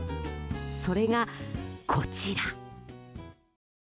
それが、こちら！